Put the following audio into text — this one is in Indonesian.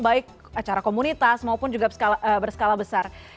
baik acara komunitas maupun juga berskala besar